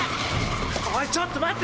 おいちょっと待って！